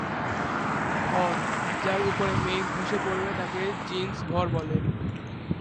ভর, যার উপরে মেঘ ধসে পড়বে তাকে জিন্স ভর বলে।